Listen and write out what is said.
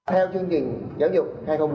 theo chương trình giáo dục hai nghìn một mươi chín